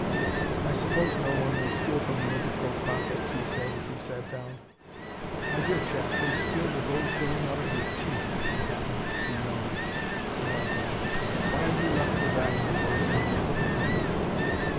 "I suppose no one will steal from the overcoat pockets," he said, as he sat down. "My dear chap, they'd steal the gold filling out of your teeth, if you happened to yawn," said Argyle. "Why, have you left valuables in your overcoat?"